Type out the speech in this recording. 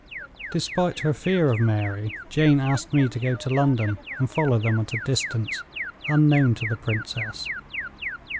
Despite her fear of Mary, Jane asked me to go to London and follow them at a distance, unknown to the princess.